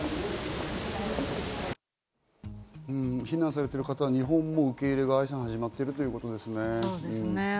避難されてる方、日本も受け入れが始まってるということですね。